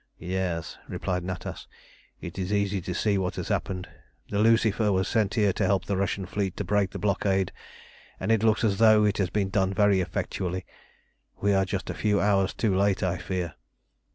"Yes," replied Natas. "It is easy to see what has happened. The Lucifer was sent here to help the Russian fleet to break the blockade, and it looks as though it had been done very effectually. We are just a few hours too late, I fear.